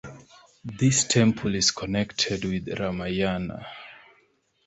This temple is connected with Ramayana.